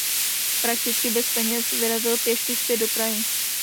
Prakticky bez peněz vyrazil pěšky zpět do Prahy.